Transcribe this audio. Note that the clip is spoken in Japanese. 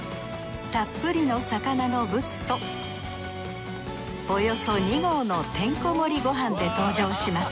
たっぷりの魚のブツとおよそ２合のてんこ盛りごはんで登場します